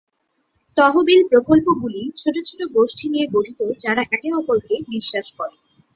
তহবিল প্রকল্পগুলি ছোট ছোট গোষ্ঠী নিয়ে গঠিত যারা একে অপরকে বিশ্বাস করে।